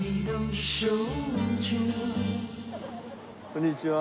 こんにちは。